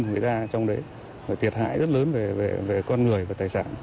người ta trong đấy thiệt hại rất lớn về con người và tài sản